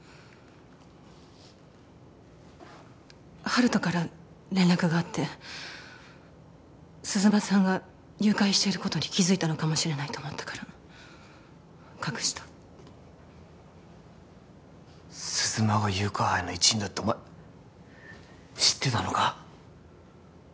温人から連絡があって鈴間さんが誘拐していることに気づいたのかもしれないと思ったから隠した鈴間が誘拐犯の一員だってお前知ってたのか？